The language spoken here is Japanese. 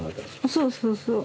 そうそうそう。